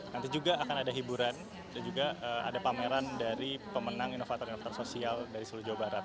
nanti juga akan ada hiburan dan juga ada pameran dari pemenang inovator inovator sosial dari seluruh jawa barat